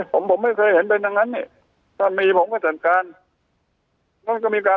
หมายถึงตีในคลิปหรอ